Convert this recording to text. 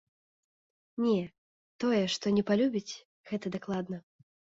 Не, тое, што не палюбіць, гэта дакладна.